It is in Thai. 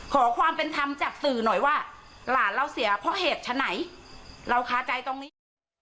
ขอความเป็นธรรมจากสื่อหน่อยว่าหลานเราเสียเพราะเหตุฉะไหนเราคาใจตรงนี้